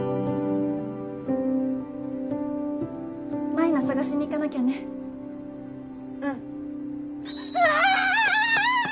舞菜捜しに行かなきゃねうんあぁ！